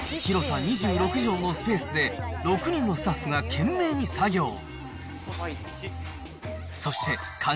広さ２６畳のスペースで、６人のスタッフが懸命に作業。